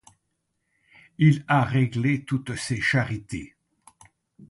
Il a réglé toutes ses charités.